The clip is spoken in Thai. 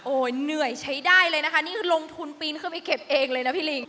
เหนื่อยใช้ได้เลยนะคะนี่คือลงทุนปีนขึ้นไปเก็บเองเลยนะพี่ลิง